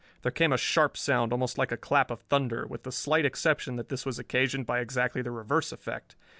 There came a sharp sound almost like a clap of thunder, with the slight exception that this was occasioned by exactly the reverse effect.